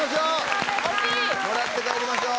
もらって帰りましょう！